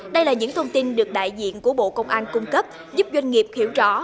đây là những thông tin được đại diện của bộ công an cung cấp giúp doanh nghiệp hiểu rõ